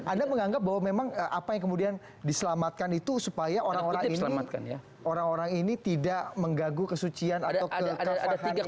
anda menganggap bahwa memang apa yang kemudian diselamatkan itu supaya orang orang ini tidak mengganggu kesucian atau kekafahan